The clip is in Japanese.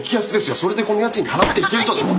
それでこの家賃払っていけるとでも？